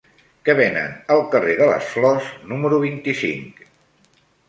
Què venen al carrer de les Flors número vint-i-cinc?